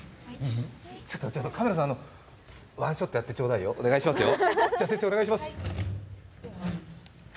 カメラさん、ワンショットやってちょうだいよ、お願いしますよ。